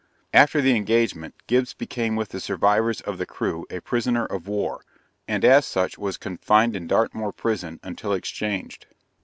After the engagement, Gibbs became with the survivors of the crew a prisoner of war, and as such was confined in Dartmoor prison until exchanged.